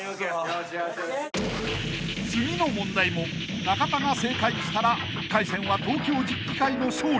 ［次の問題も中田が正解したら１回戦は東京十期會の勝利］